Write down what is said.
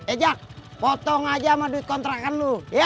eh jak potong aja sama duit kontrakan lo ya